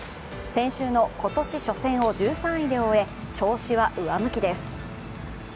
先週の今年初戦を１３位で終え、調子は上向きです。